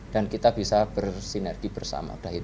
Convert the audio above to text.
dan kita bisa bersinergi bersama